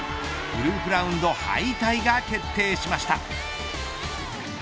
グループラウンド敗退が決定しました。